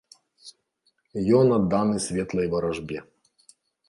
Ён адданы светлай варажбе.